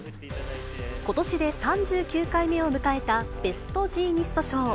ことしで３９回目を迎えたベストジーニスト賞。